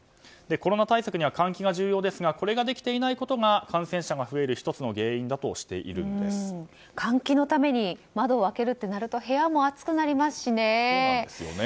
コロナ対策には換気が重要ですがこれができていないことが感染者が増える換気のために窓を開けるとなると部屋も暑くなりますしね。